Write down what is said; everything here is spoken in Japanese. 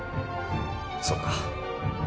そうか。